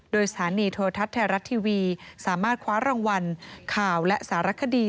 โดยสถานีโทรทัศน์ไทยรัฐทีวีสามารถคว้ารางวัลข่าวและสารคดี